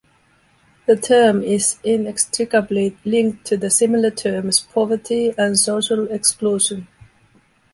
The term is inextricably linked to the similar terms poverty and social exclusion.